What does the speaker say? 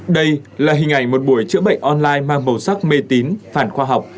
đây là hình ảnh một buổi chữa bệnh online mang màu sắc mê tín phản khoa học